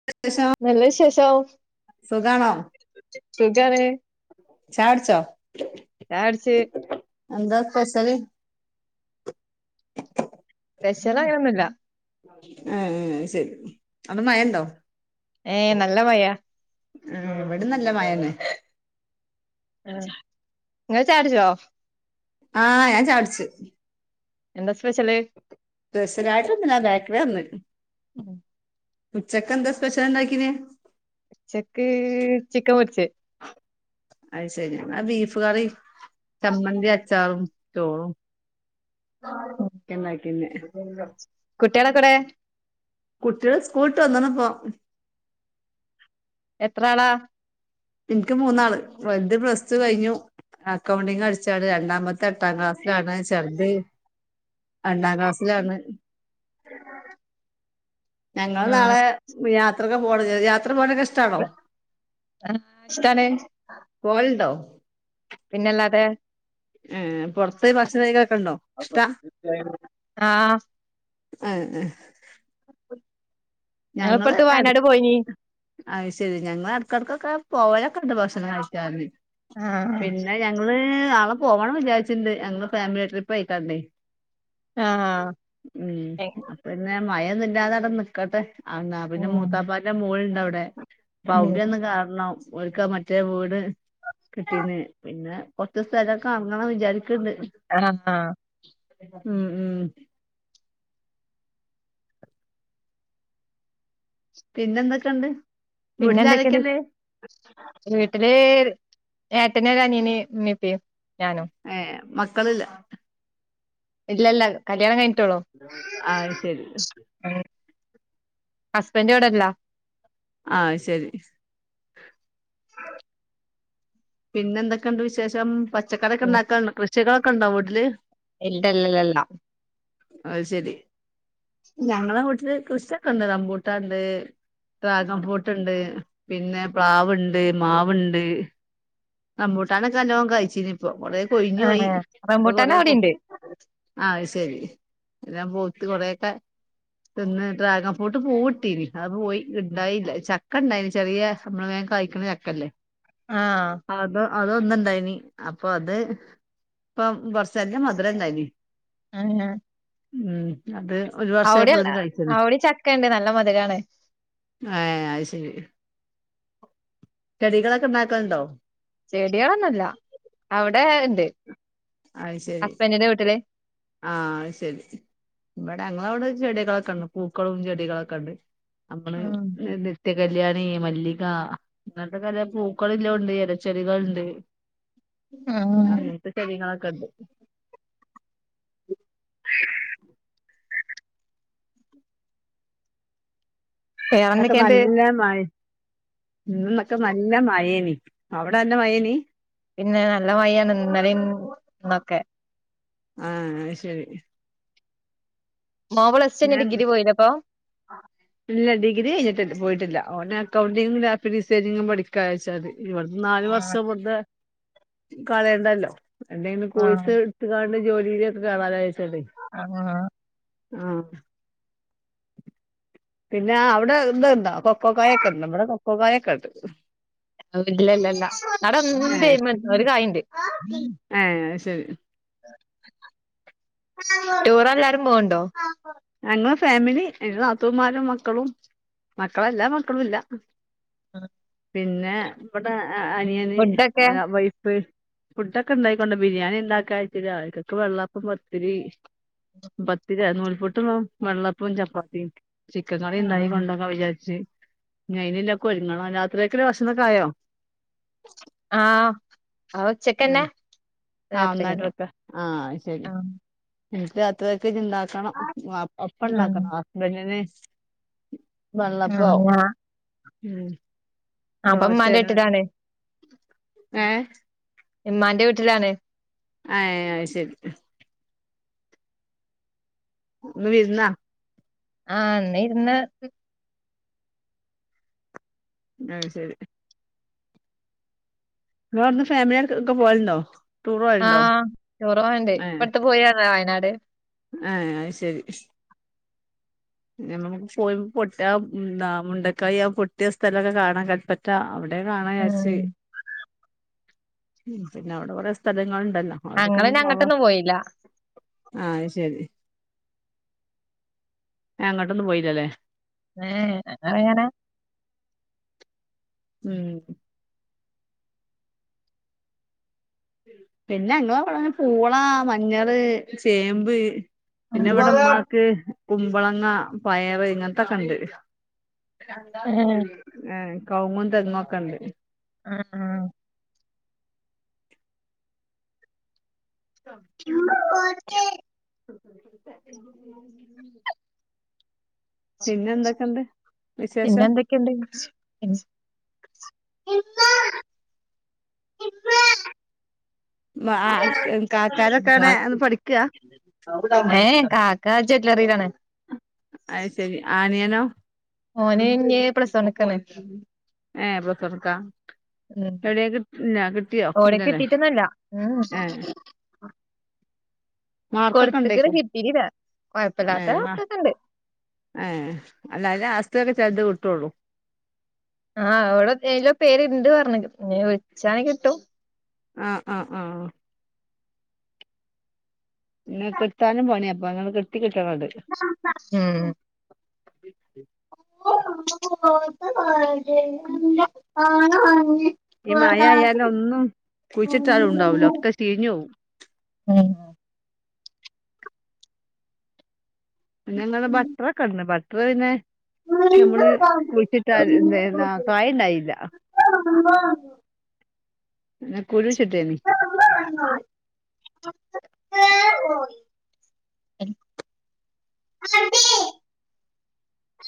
[unintelligible] നല്ല വിശേഷം സുഖാണോ [unintelligible] ചായ കുടിച്ചോ ചായ കുടിച്ച് എന്താ സ്പെസല് സ്പെശലങ്ങനോന്നുല്ല ആഹ് അത് ശരി അവിടെ മഴണ്ടോ ഏ നല്ല മഴയ ആ ഇവിടെ നല്ല മഴയാണ് ആ ഇങ്ങള് ചായകുടിച്ചോ ആഹ് ഞാൻ ചായകുടിച്ച്. എന്താ സ്പെഷ്യല്? സ്പെഷ്യലായിട്ടൊന്നുല്ല ബെക്കറിയാ ഇന്ന് ഉം. ഉച്ചക്കെന്താ സ്പെഷ്യൽ ഉണ്ടാക്കിനെ? ഉച്ചക്ക് ചിക്കൻ പൊരിച്ചത്. അത് ശരി ആ ബീഫ്കറിം ചമ്മന്തി അച്ചാറും ചോറും കെന്നാ കിന്നേ കുട്യാളെക്കെവ്ടെ? കുട്യൾ സ്കൂളിട്ട് വന്ന്ണ്പ്പോ- എത്ര ആളാ? ഇന്ക്ക് മൂന്നാള് വല്ത് പ്ലസ്ടു കഴിഞ്ഞു അക്കൗണ്ടിങ് പഠിച്ചാണ് രണ്ടാമ ത്തെട്ടാം ക്ലാസിലാണ് ചെർത്- രണ്ടാം ക്ലാസിലാണ് ആ ഞങ്ങള് നാളെ- യാത്രൊക്കെ പോണങ്കി യാത്ര പോവാനോക്കെ ഇഷ്ടാണോ? ആഹ് ഇഷ്ടാണ്- പോവല്ണ്ടോ? പിന്നല്ലാതെ- പുറത്തോയി ഭക്ഷണം കയിക്കലൊക്കെ ഉണ്ടോ? ഇഷ്ടാ ആഹ് ഏഹ് ഏഹ് ഞങ്ങള് ഇപ്പട്ത്ത് വയനാട് പോയീനി ആ്ഹ ശരി ഞങ്ങള് എടക്കൊക്കെ പോവലൊക്കെ ഉണ്ട് ഭക്ഷണം കഴിച്ചാ ആ പിന്നെഞ ഞങ്ങള് നാളെ പോവണന്ന് വിചാരിച്ചിണ്ട് ഞങ്ങളെ ഫാമിലി ട്രിപ്പ് ആയിക്കാണ്ടേ ആ ഉം അപിന്നെ മയൊന്നുല്ലാതെ അവ്ടെ നിക്കട്ടെ ആഹ് പിന്നെ ഉം മൂത്താപ്പാന്റെ മോള് ഇണ്ട് അവിടെ അപ്പൊ അവിടൊന്നും കേറണം ഓൽക്ക മറ്റ മറ്റേ വീട് കിട്ടീന്ന് പിന്നെ കൊറച്ച് സ്ഥലൊക്കെ വാങ്ങണം വിചാരിക്ക്ണ്ട് ആഹ് ആഹ് ഉം ഉം. പിന്നെ എന്തൊക്കെയുണ്ട്? പിന്നെ എന്തൊക്കെയ? വീട്ടിലാരൊക്കെയുണ്ട് വീട്ടില് ഏട്ടന് ഒരനിയന് മ്മിപ്പിം ഞാനും- ഏഹ് മക്കളില്ല- ഇല്ലല്ല കല്യാണം കഴിഞ്ഞ്ട്ടൊളൂ. ആയ് ശരി- ഹസ്ബൻഡിവടെല്ലാ? ആ ശരി- പിന്നെ എന്തൊക്കെയുണ്ട് വിശേഷം പച്ചക്കറിയൊക്കെ ഉണ്ടാക്കാണ്ട് കൃഷികളൊക്കെ ഉണ്ടോ വീട്ടില്? ഇല്ലല്ലല്ലാ അയ്ശരി- ഞങ്ങളെ വീട്ടില് കൃഷ്യൊക്കെണ്ട് റമ്പൂട്ടാണ്ട് ട്രാഗൺ ഫൂട്ടുണ്ട് പിന്നെ പ്ലാവുണ്ട് മാവുണ്ട് റമ്പൂട്ടാനൊക്കെ നലോം കായ്ച്ചീനിപ്പം കൊറേ കൊഴിഞ്ഞു പോയി ആഹ് ഇപ്പൊ റംബൂട്ടാന് കൊറേ പോ അവിടിണ്ട് ആഹ് അത് ശെരി എല്ലാം പൊവുത്ത് കൊറേയൊക്കെ തിന്ന് ഡ്രാഗൺ ഫൂട്ട് പൂവ്ട്ടീനി അത് പോയി ഉണ്ടായില്ല ചക്ക ഉണ്ടായിന് ചെറിയ നമ്മള് വേം കയ്ക്ക്ണ ചക്കല്ലേ- ആഹ് അത അതൊന്ന് ണ്ടായിനി അപ്പൊ അത് ഇപ്പം [unintelligible] മധുരണ്ടായിനി- ആഹ് ആഹ് ഉം അത് ഒരു അവിടെല്ല വർഷായപ്പോതിന് കഴിച്ച്ന്ന് അവിടെ ചക്കണ്ട് നല്ല മധുരാണ് ഏഹ് അയ് ശെരി ചെടികളൊക്കെ ഉണ്ടാക്കല്ണ്ടോ ചെടികളൊന്നുല്ല അവിടെ ഉണ്ട് അത് ശരി ഹസ്ബഡിന്റെ വീട്ടില് ആഹ് ശെരി ഇവിടെ ഞങ്ങളവിടെ ചെടികളൊക്കെ ഉണ്ട് പൂക്കളും ചെടികളൊക്കെ ഉണ്ട് നമ്മള് ഉം നിത്യകല്യാണി മല്ലിക ഇന്നത്തെ കല പൂക്കള്ല്ലോണ്ട് ഇലച്ചെടികളുണ്ട് ആഹ് അങ്ങനത്തെ ചെടികളൊക്കെ ഉണ്ട് ഇവിടൊക്ക വേറെന്തൊക്കെണ്ട് നല്ല മഴ ഇന്നൊക്കെ നല്ല മഴനി അവിടെ നല്ല മഴനി പിന്നെ നല്ല മായ ആണ് ഇന്നലെയും ഇന്നൊക്കെ ആഹ് ശരി [unintelligible] പ്ലസ് ടു കയിഞ്ഞു ഞാൻ ഡിഗ്രി പോയതാ അപ്പൊ ഇല്ല ഡിഗ്രി കഴിഞ്ഞിട്ടു പോയിട്ടില്ല ഓന് അക്കൗണ്ടിംഗും ഗ്രാഫ്റ്റിഗ് ഡിസൈനിങ്ങും പഠിക്കാച്ചാൽത് ഇവിടുന്ന് നാലു ആഹ് വർഷം വെറതെ കളയണ്ടല്ലോ എന്തെങ്കിലും കോഴ്സ് ട്ത്ത്കാണ്ട് ജോലിയിലൊക്കെ കേറാലോ വെച്ചണ്ട് ആഹ് ആഹ് പിന്നെ അവിടെ ത്ണ്ടോ കൊക്കോക്കായൊക്കെ ഉണ്ടോ വടെ കൊക്കോക്കായൊക്കെ ഉണ്ട് ഇല്ല ഇല്ല ഇല്ല ഏഹ് ഔടണ്ട് ഒരു കായണ്ട് ഏഹ് ശരി ടൂർല്ലാരും പോവണ്ടോ ഞങ്ങള് ഫാമിലി ന്റെ നാത്തൂന്മാരും മക്കളും മക്കളെല്ലാ മക്കളും ഇല്ല ആഹ് പിന്നെ ഇവിടെ അനിയന് ഫുഡൊക്കെ വൈഫ് ഫുഡൊക്കെണ്ടാക്കിക്കോണ്ട ബിരിയാണിണ്ടാക്ക വെച്ച രാവിലെക്ക് വെള്ളപ്പും പത്തിരി പത്തിര നൂൽപ്പു ട്ടും വെള്ളപ്പും ചപ്പാത്തിയും ചിക്കൻ കറിണ്ടാക്കി കൊണ്ടൊകാ വിചാരിച്ച് ഞി അയ്നെക് ഒരുങ്ങണം രാത്രിതേക്കുള്ള ഭക്ഷണോക്കേ ആയോ ആഹ് അവ ഉച്ചക്ക് തന്നെ ആഹ് ഒന്നായിട്ട് വക്ക ആഹ് ശരി ആഹ് എനിക്ക് രാത്രിലത്തേക് ഇണ്ടാ ക്കണം അപ്പം ആഹ് ഉണ്ടാക്കണം ഹസ്ബൻഡന് വെള്ളപ്പോ ആഹ് ഞാ ഉം അപ്പൊ ദോശേ ഉമ്മാന്റെ അങ്ങനെ ഒക്ക വീട്ടിലാണ് ഏഹ് ഇമ്മാന്റെ വീട്ടിലാണ് ആഹ് ഏഹ് അത് ശരി ഇന്ന് വിരുന്നാ ആഹ് ഇന്ന് വിരുന്നാ ആഹ് ശരി ങ്ങളടന്ന് ഫാമിലിയക്കെ പോകലുണ്ടോ ആഹ് ടൂർ പോവാലുണ്ട് ഇപ്പ ഏഹ് ആടുത്ത പോയി വന്നതാ വയനാട് ഏഹ് ആയി ശരി നമുക്ക് പോയി പൊട്ടയ മുണ്ടക്കായി ആഹ് പൊട്ടിയ സ്ഥലമൊക്കെ കാണാൻ പറ്റാ അവിടെ എഹ് കാണാ വിചാരിച്ച് ഉം ഉം പിന്നെ അവിടെ കുറെ സ്ഥലങ്ങളുണ്ടല്ലോ അവിടൊക്കെ ഞങ്ങൾ പിന്നെ ഒന്ന് പോവാ അങ്ങട്ടൊന്നും പോയില്ല ആഹ് അത് ശരി അങ്ങോട്ടൊന്നും പോയില്ലല്ലേ ഏഹ് അയാനാ ഉം പിന്നെ ഞങ്ങടാ ഇവിടെ പൂള മഞ്ഞള് ചേമ്പ് ഉം, പിന്നെ ഇവിടെ ഉമ്മാക്ക് കുമ്പളങ്ങ പയർങ്ങനത്തൊക്കെണ്ട് ഉം, ഏഹ് കൗങ്ങും തെങ്ങും ഒക്ക ഉണ്ട് ആഹ് ആഹ് [unintelligible] [unintelligible] [inaudible] പിന്നെന്തൊക്കെണ്ട് പിന്നെന്തക്കെ ക്ക്ണ്ടെ ബാ [unintelligible] കാക്കാരൊക്കെ എവ്ടെ പഠിക്കാ ഏ കാക്ക ജ്വല്ലറിയിലാണ് അയ് ശരി ആനിയനോ ഓന് ഞ്ഞി പ്ലസ് വണ്ക്കാണ് ഏ പ്ലസ് വൺക്കാ ഉം എവടേം കിട്ടി ല്ല കിട്ടിയോ ഓന് ഇല്ലലെ കിട്ടീട്ടൊന്നുമില്ല ഉം ഏ മാർക്കൊക്കെ കൊടുത്തക്ക്ണ് ഉണ്ടേക്കും കിട്ടീല്ല കൊഴപ്പില്ലാത്ത മാർക്കൊക്കണ്ട് ആഹ് അല്ല ലാസ്റ്റൊക്കെ ചെൽത് കിട്ടൊള്ളൂ ആഹ് ഇവടെ ഓക്കേല് പേര്ണ്ട് പറഞ്ഞി ഇനി വിളിച്ചാണ് കിട്ടും ആഹ് ആഹ് ആഹ് പിന്നെ കിട്ടാനും പണിയാപ്പൊ നിങ്ങങ്ള് കിട്ടി കിട്ടാനണ്ട് ഉം ഓജയല്ല ആ [unintelligible] ഈ മയ ആയാലൊന്നും കുഴിച്ചിട്ടാലും ഉണ്ടാവൂല ഒക്കെ ചീഞ്ഞു പോവും ഉം പിന്നെ ഇങ്ങെള് ബട്ടറ ഒക്കെണ്ട് ബട്ടർ പിന്നെ ഞമ്മള് കുഴിച്ചിട്ട എന്താ കായുണ്ടായില്ല ആ ആ [unintelligible] പിന്നെ കുഴിച്ചിട്ടേനി [inaudible] ആി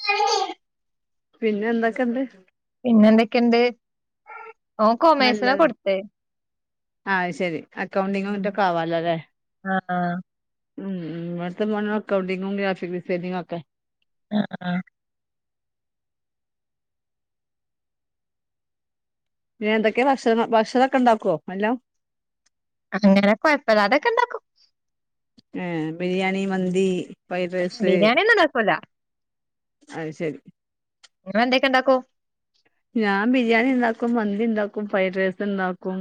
ആ [unintelligible] പിന്നെ എന്തൊക്കെണ്ട്? പിന്നെ എന്തൊക്കെയുണ്ട് ഓൻ കൊമേഴ്സിന നല്ലത് കൊടുത്ത ആഹ് ശരി അക്കൗണ്ടിങ്റ്റൊക്കെ ആഹ് ആവാലോല്ലേ ആഹ് ഉം ഉം ഇവടത്തെ മോനും അക്കൗണ്ടിങ്ങും ഗ്രാഫിക് ഡിസൈനിങ്ങും ഒക്കെ ആഹ് ആഹ് പിന്നെ എന്തൊക്കെയെ ഭക്ഷണം ഭക്ഷണൊക്കെ ഉണ്ടാക്കുവോ എല്ലാം അങ്ങനെ കൊയപ്പല്ലാതെക്കെണ്ടാക്കും ഏ ബിരിയാണി മന്തി ഫ്രൈഡ് റൈസ് ബിരിയാണിയൊന്നും ഉണ്ടാക്കൂല അത് ശരി ഇങ്ങള് എന്തൊക്കെ ഉണ്ടാക്കൂ ഞാൻ ബിരിയാണി ഇണ്ടാക്കും മന്തി ഇണ്ടാക്കും ഫ്രൈഡ് റൈസ് ഇണ്ടാക്കും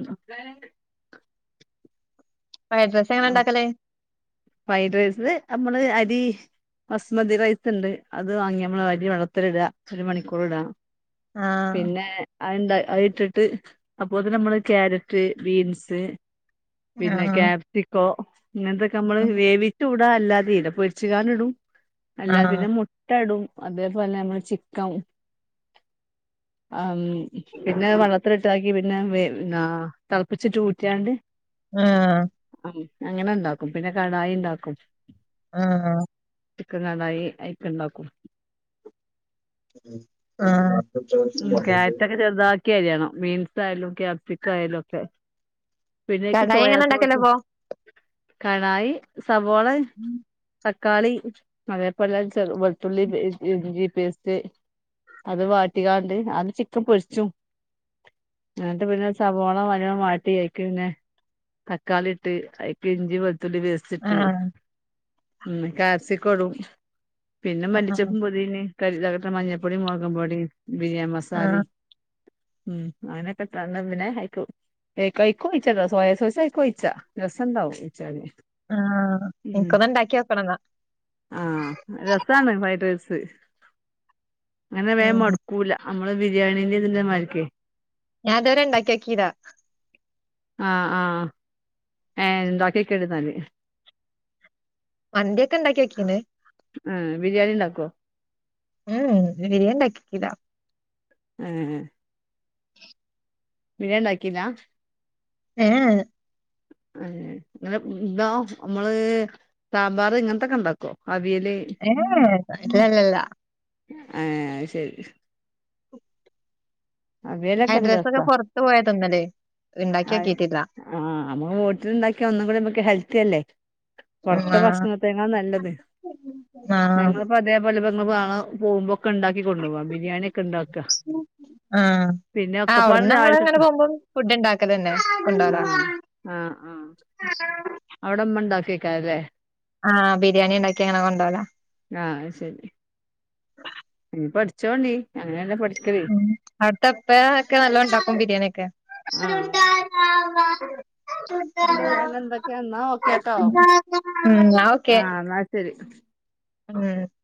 ഫ്രൈഡ് റൈസ് എങ്ങനെ ഇണ്ടാക്കല് ഫ്രൈഡ് റൈസ് നമ്മള് അരി ബസ്മതി റൈസ്ണ്ട് അത് വാങ്ങിയ നമ്മള് അരി വെള്ളത്തിലിടാ ഒരു മണിക്കൂർ ഇടാ ആഹ് പിന്നെ അതിണ്ട് അത് ഇട്ടിട്ട് അപ്പോത് നമ്മള് ക്യാരറ്റ് ബീൻസ് പിന്നെ ആഹ് ക്യാപ്സിക്കോ ഇങ്ങനത്തൊക്കെ നമ്മള് ആഹ് വേവിച്ച് ടാ അല്ലാതീടാ പൊരിച്ച് കാന ഇടും അല്ലാതെ പിന്നെ മു ട്ടടും അതേപോലെ നമ്മൾ ചിക്കും ആം പിന്നെ വെള്ളത്തിലിട്ടാക്കി പിന്നെ വേ തെളപ്പിച്ചിട്ട് ഊറ്റാണ്ട് ആഹ് ആഹ് അങ്ങനെ ഇണ്ടാക്കും പിന്നെ കടായി ഇണ്ടാക്കും ആഹ് ആഹ് ചിക്കൻ കാണായി അയിക്ക് ഇണ്ടാക്കും ആഹ് [unintelligible] ക്കേയാണം. ബീൻസ് ആയാലും ക്യാപ്സിക് ആയാലും ഒക്കെ പിന്നെക്ക് കടായി സോയാ എങ്ങനെ സോസും ഉണ്ടാക്കലപ്പോ കടായി സവോള ഉം തക്കാളി വേപ്പല ചെറ് വെളുത്തുള്ളി പേസ്റ്റ് ഇഞ്ചിപേസ്റ്റ് അത് വാട്ടികാണ്ട് അത് ചിക്കൻ പൊരിച്ചും ഇന്നട്ട് പിന്നെ സവോള വനോ വാട്ടി അയ്ക്ക്ന്നെ തക്കാളി ഇട്ട് അയ്ക്ക് ഇഞ്ചി വെളുത്തുള്ളി പേ സ്ട്ട് ആഹ് കാപ്സിക്കടും പിന്നെ മല്ലി ആഹ് ചെപ്പ് [unintelligible] അത് കഴ്ഞ് ക [unintelligible] ട്ട മഞ്ഞപ്പൊടിം മൊളകുംപ്പൊടി ബിരിയമസാല ആഹ് ഉം അവനെക്കെത്രന്ന വിനെ അയ്ക്ക് [unintelligible] ഏ ഹ് കഴിക്കും [unintelligible] സോയാസോസും ആയിക്കോഴിച്ചാ രസം ഇണ്ടാവും ഒഴിച്ചാല് ആഹ് ഉം ഇനിക്കത് ഇണ്ടാക്ക്യോ ക്കണന്നാ ആഹ് രസാണ് ഫ്രൈഡ്രേസ് അകങ്ങനെ വേം ഉം മടു കൂല നമ്മള് ബിരിയാണീന്റെ ഇതിന്റെ മായിരിക്കേ ഞാൻ ഇത് വരെ ഇണ്ടാക്ക്യോക്കീല ആഹ് ആഹ് ഏഹ് ഉണ്ടാക്ക്യോക്ക് ഇന്നാൽ മന്ത്യൊക്കെ ഇണ്ടാക്ക്യോക്കിണ് ആഹ് ബിരിയാണി ഇണ്ടാക്കോ ഉം ഉം ബിരിയാണി ഇണ്ടാക്കിക്കില്ലാ ഉം ബിരിയാണ ഇണ്ടാക്കീല്ലാ [inaudible] അ [unintelligible] ഇതോ നമ്മള് [inaudible] സാമ്പാർ ഇങ്ങെൻത്തൊക്കെ ഇണ്ടാക്കോ അവിയല് ഏ എ ഇല്ല ഇല്ല ഇല്ല ഏഹ് അയ്ശരി അവിയലൊക്കെ ഫ്രൈഡ് നല്ല റൈസ് രസാ പൊറത്ത്പോയ തിന്നല്. അത് ഇണ്ടാക്ക്യോക്കിട്ടില്ല ആഹ് നമ്മള് വീട്ടി ഇണ്ടാക്കിയ ഒന്നു കൂട നമ്മക്ക് ഹെൽത്തിയെല്ലേ പൊറത്തെ ആഹ് ഭക്ഷണത്തേക്കാളും നല്ലത് ആഹ് ഞങ്ങളപ്പോ അതേപോലെ ബെന്ന്പോആൻ പോകുമ്പോക്കെ ഇണ്ടാക്കി കൊണ്ടോവാ ബിരിയാണ്യെക്കെ ഇണ്ടാക്ക ആഹ് ഔട്ന്ന് ഞങ്ങള് ഇങ്ങനെ രാവിലത്തേക്ക് പോകുമ്പോ ഫുഡ് ഇണ്ടാക്കലന്നെ. കൊണ്ടോവാൻ. ആഹ് ആഹ് അവിടെ ഇമ്മ ഇണ്ടാക്കെക്കാരല്ലെ ആഹ് ബിരിയാണി ഇണ്ടാക്കി അങ്ങനെ കൊണ്ടോവല ആഹ് ശരി ഇനി പഠിച്ചോണ്ടി. അങ്ങനെ പഠി ഉം അവിട്ത്തെ ഇപ്പേ ഒക്കെ നല്ലോ ഇണ്ടാക്കും ബിരിയാണി ഒക്കെ ആ ആഹ് [inaudible] ആഹ് പിന്നെ എന്തൊക്കെയാ ന്നാ ഓക്കേ ആട്ടോ എന്നാ ഓക്കെ ആഹ് ന്നാ ശരി ഉം